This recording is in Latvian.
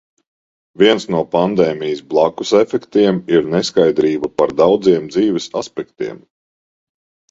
Viens no pandēmijas "blakusefektiem" ir neskaidrība par daudziem dzīves aspektiem.